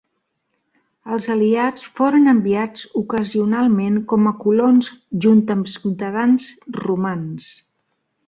Els aliats foren enviats ocasionalment com a colons junt amb ciutadans romans.